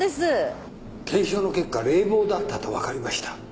検証の結果冷房だったと分かりました。